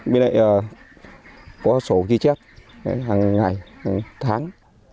bên này có số ghi chép hàng ngày hàng tháng